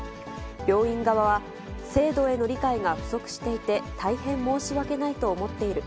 病院側は、制度への理解が不足していて、大変申し訳ないと思っている。